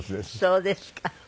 そうですか。